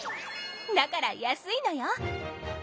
だから安いのよ。